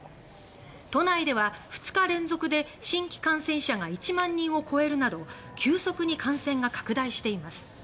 都内では２日連続で新規感染者が１万人を超えるなど急速に感染が拡大しています。